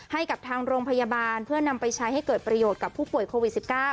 ให้กับทางโรงพยาบาลเพื่อนำไปใช้ให้เกิดประโยชน์กับผู้ป่วยโควิด๑๙